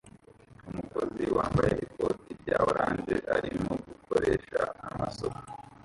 Umukozi wambaye ikoti rya orange arimo gukoresha amasuka